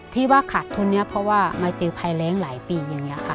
ที่ว่าขาดทุนนี้เพราะว่ามาเจอภัยแรงหลายปีอย่างนี้ค่ะ